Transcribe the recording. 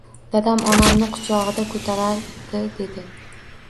Dadam onamni quchog‘ida ko‘tardi, dedi